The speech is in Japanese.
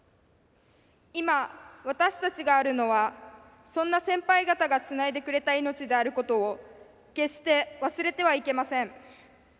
今、私たちがあるのはそんな先輩方がつないでくれた命であることを決して忘れてはいけません。